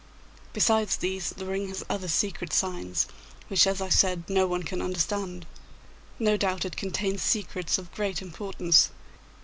Besides these, the ring has other secret signs which, as I said, no one can understand. No doubt it contains secrets of great importance.